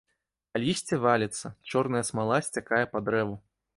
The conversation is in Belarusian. А лісце валіцца, чорная смала сцякае па дрэву.